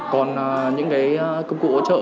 còn những cái công cụ hỗ trợ